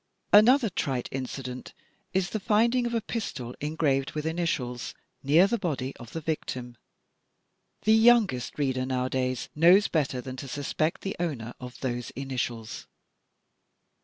Another trite incident is the finding of a pistol engraved with initials, near the body of the victim. The youngest reader nowadays, knows better than to suspect the owner of those initials.